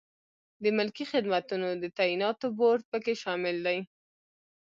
د ملکي خدمتونو د تعیناتو بورد پکې شامل دی.